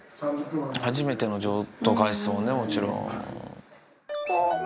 初めての譲渡会ですもんね、もちろん。